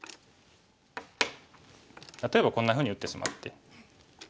例えばこんなふうに打ってしまって。